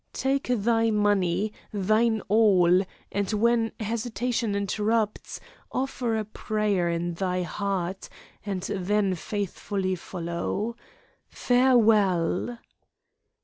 Take thy money, thine all, and when hesitation interrupts, offer a prayer in thy heart, and then faithfully follow! Farewell!"